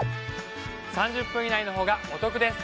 ３０分以内のほうがお得です。